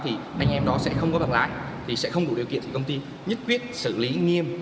thì anh em đó sẽ không có bằng lái thì sẽ không đủ điều kiện thì công ty nhất quyết xử lý nghiêm